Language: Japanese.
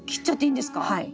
はい。